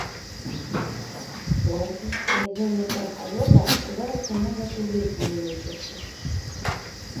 У альпійскай зоне прахалода адчуваецца нават у летнія месяцы.